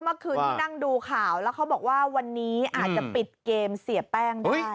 เมื่อคืนที่นั่งดูข่าวแล้วเขาบอกว่าวันนี้อาจจะปิดเกมเสียแป้งได้